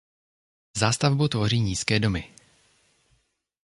Zástavbu tvoří nízké domy.